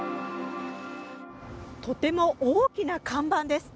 とても大きな看板です。